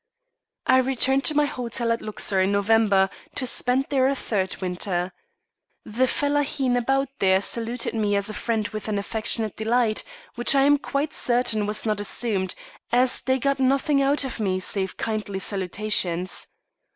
I returned to my hotel at Luxor in November, to spend there a third winter. The fellaheen about there saluted me as a friend with an affectionate delight, which I am quite certain was not assumed, as they got nothing out of me save kindly salutations.